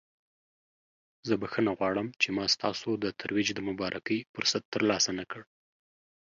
زه بخښنه غواړم چې ما ستاسو د ترویج د مبارکۍ فرصت ترلاسه نکړ.